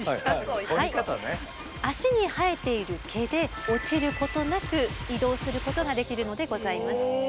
脚に生えている毛で落ちることなく移動することができるのでございます。